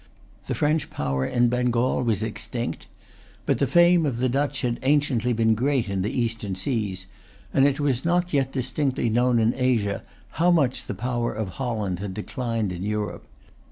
The French power in Bengal was extinct. But the fame of the Dutch had anciently been great in the Eastern seas; and it was not yet distinctly known in Asia how much the power of Holland had declined in Europe.